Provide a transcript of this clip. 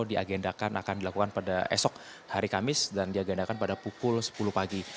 diagendakan akan dilakukan pada esok hari kamis dan diagendakan pada pukul sepuluh pagi